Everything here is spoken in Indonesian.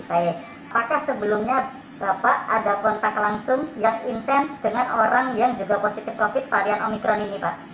baik apakah sebelumnya bapak ada kontak langsung yang intens dengan orang yang juga positif covid varian omikron ini pak